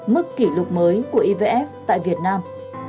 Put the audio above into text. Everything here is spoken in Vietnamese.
mức kỷ lục mới của ivf tại việt nam